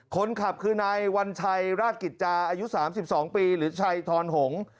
คนขับคือนายวัญชัยราชกิจจาอายุ๓๒ปีหรือชัยทอนหงษ์